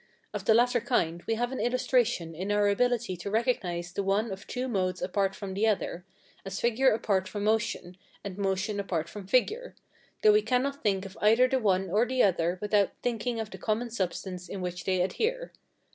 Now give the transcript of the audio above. Of the latter kind we have an illustration in our ability to recognise the one of two modes apart from the other, as figure apart from motion, and motion apart from figure; though we cannot think of either the one or the other without thinking of the common substance in which they adhere.